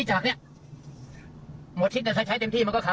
หมดทิศแต่ใช้เต็มที่มันก็ขาด๒๙๐